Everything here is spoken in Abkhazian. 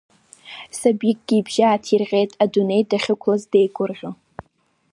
Сабикгьы ибжьы ааҭирҟьеит, адунеи дахьықәлаз деигәырӷьо.